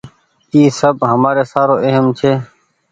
اي سب همآري سارو اهم ڇي۔